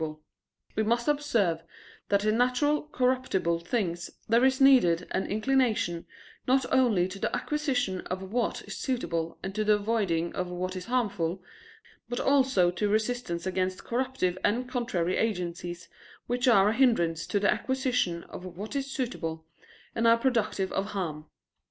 In order to make this clear, we must observe that in natural corruptible things there is needed an inclination not only to the acquisition of what is suitable and to the avoiding of what is harmful, but also to resistance against corruptive and contrary agencies which are a hindrance to the acquisition of what is suitable, and are productive of harm.